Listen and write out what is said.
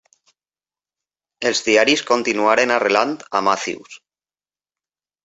Els diaris continuaren arrelant a Matthews.